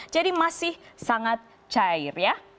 jadi masih sangat cair ya